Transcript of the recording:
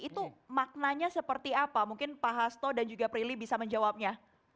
itu maknanya seperti apa mungkin pak hasto dan juga prilly bisa menjawabnya